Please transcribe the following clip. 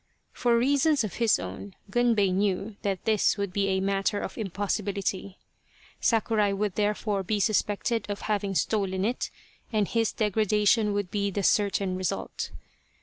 For reasons of his own Gunbei knew that this would be a matter of impossibility. Sakurai would therefore be suspected of having stolen it and his degradation would be the certain result.